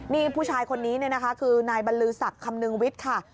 นี่ผู้ชายคนนี้เนี่ยนะคะคือนายบรรลือศักดิ์คำนึงวิทย์ค่ะ